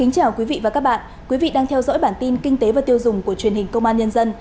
cảm ơn các bạn đã theo dõi và ủng hộ cho bản tin kinh tế và tiêu dùng của truyền hình công an nhân dân